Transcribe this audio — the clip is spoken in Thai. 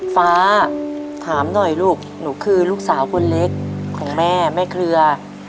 ฟ้าถามหน่อยลูกหนูคือลูกสาวคนเล็กของแม่แม่เครือ